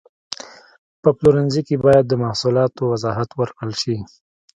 په پلورنځي کې باید د محصولاتو وضاحت ورکړل شي.